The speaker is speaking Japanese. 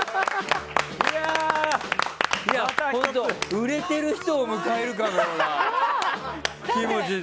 売れてる人を迎えるかのような気持ちで。